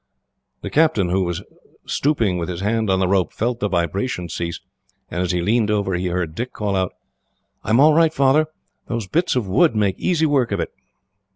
The captain, who was stooping with his hand on the rope, felt the vibration cease, and as he leaned over he heard Dick call out: "I am all right, Father. Those bits of wood make easy work of it."